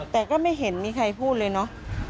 แต่ก็ไม่เห็นมีใครพูดเลยเนอะ